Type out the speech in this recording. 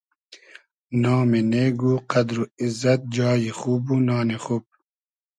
نامی نېگ و قئدر و ایززئد جای خوب و نانی خوب